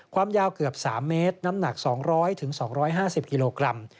ความยาวเกือบ๓เมตรน้ำหนัก๒๐๐๒๕๐กิโลกรัม